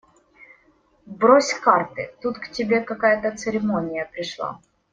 – Брось карты, тут к тебе какая-то церемония пришла!